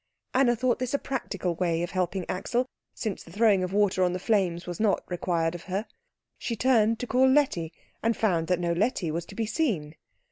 Anna thought this a practical way of helping Axel, since the throwing of water on the flames was not required of her. She turned to call Letty, and found that no Letty was to be seen.